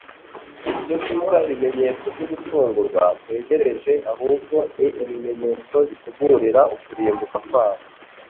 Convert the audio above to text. lbyo bita ibimenyetso byo gucungurwa kwegereje ahubwo ni ibimenyetso bitegurira ukurimbuka kwabo.